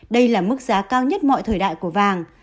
đây là mức giá cao nhất mọi thời đại của vàng